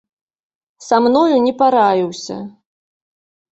Са мною не параіўся.